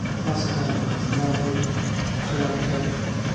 پاڅه کار وکړه لافې کړه کمې